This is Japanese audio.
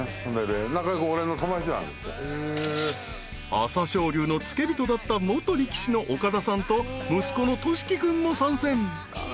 ［朝青龍の付け人だった元力士の岡田さんと息子のトシキ君も参戦］